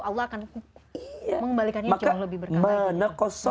allah akan mengembalikannya jauh lebih berkata